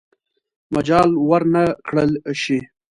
مجال ورنه کړل شي.